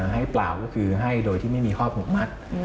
ให้เปล่าก็คือให้โดยที่ไม่มีข้อผูกมัด